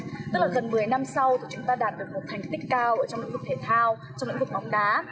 tức là gần một mươi năm sau thì chúng ta đạt được một thành tích cao ở trong lĩnh vực thể thao trong lĩnh vực bóng đá